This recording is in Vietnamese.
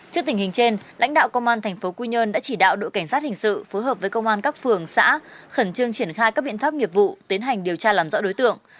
trước tình hình trên lãnh đạo công an tp quy nhơn đã chỉ đạo đội cảnh sát hình sự phối hợp với công an các phường xã khẩn trương triển khai các biện pháp nghiệp vụ tiến hành điều tra làm rõ đối tượng